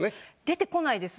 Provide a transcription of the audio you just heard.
出てこないです。